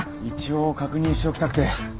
一応確認しておきたくて。